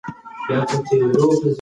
د ګلانو بوی په انګړ کې خپور شوی و.